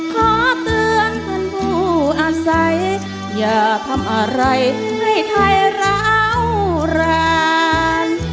ขอเตือนท่านผู้อาศัยอย่าทำอะไรให้ไทยร้าวร้าน